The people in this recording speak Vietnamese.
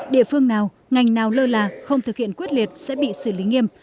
địa phương nào ngành nào lơ là không thực hiện quyết liệt sẽ bị xử lý nghiêm